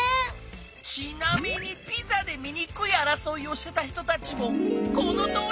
ちなみにピザでみにくいあらそいをしてた人たちもこのとおり！